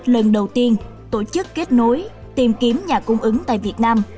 lần đầu tiên tổ chức kết nối tìm kiếm nhà cung ứng tại việt nam